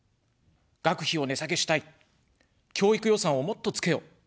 「学費を値下げしたい」、「教育予算をもっとつけよ」。